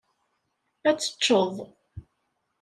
Ad teččeḍ.